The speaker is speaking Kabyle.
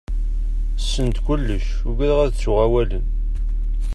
Send kullec, ugadaɣ ad ttuɣ awalen.